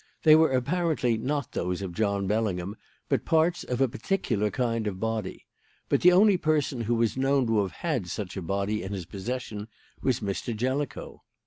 They were apparently not those of John Bellingham, but parts of a particular kind of body. But the only person who was known to have had such a body in his possession was Mr. Jellicoe.